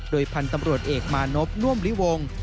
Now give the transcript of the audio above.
โดยพันธุ์ตำรวจเอกมานพน่วมลิวง